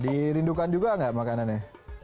dirindukan juga nggak makannya